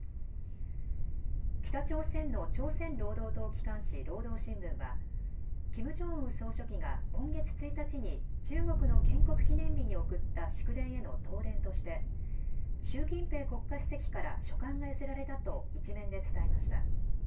北朝鮮の朝鮮労働党機関紙、労働新聞はキム・ジョンウン総書記が今月１日に中国の建国記念日に送った祝電への答電として習近平国家主席から書簡が寄せられたと１面で伝えました。